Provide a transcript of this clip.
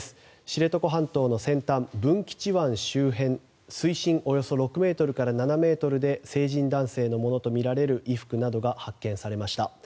知床半島の先端、文吉湾周辺水深およそ６ｍから７ｍで成人男性のものとみられる衣服などが発見されました。